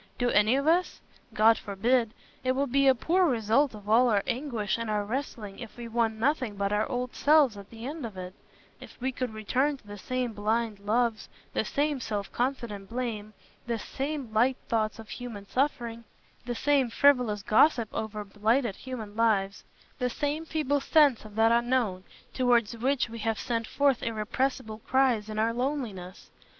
Do any of us? God forbid. It would be a poor result of all our anguish and our wrestling if we won nothing but our old selves at the end of it—if we could return to the same blind loves, the same self confident blame, the same light thoughts of human suffering, the same frivolous gossip over blighted human lives, the same feeble sense of that Unknown towards which we have sent forth irrepressible cries in our loneliness.